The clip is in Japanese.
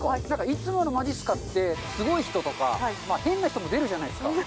いつもの「まじっすか」ってすごい人とか変な人も出るじゃないですか。